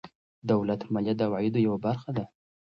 دولت مالیه د عوایدو یوه برخه ده.